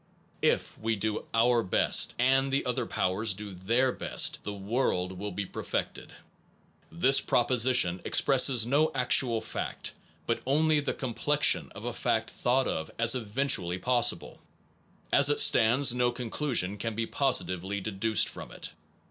// we do our best, and the other powers do their best, the world will be perfected this proposi tion expresses no actual fact, but only the com plexion of a fact thought of as eventually possible. As it stands, no conclusion can be positively de duced from it.